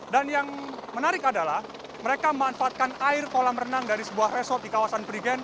dan yang menarik adalah mereka memanfaatkan air kolam renang dari sebuah resort di kawasan perigen